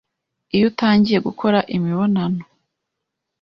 iyo utangiye gukora imibonano